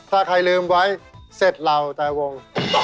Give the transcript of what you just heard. ถ้าใครลืมไว้เสร็จเราตายวง